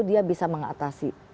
dia bisa mengatasi